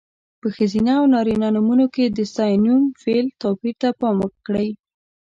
په ښځینه او نارینه نومونو کې د ستاینوم، فعل... توپیر ته پام وکړئ.